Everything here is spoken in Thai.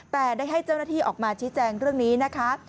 แต่ได้ให้เจ้าหน้าที่ออกมาชี้แจงเรื่องนี้นะคะ